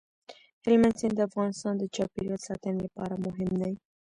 هلمند سیند د افغانستان د چاپیریال ساتنې لپاره مهم دی.